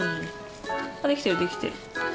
あできてるできてる。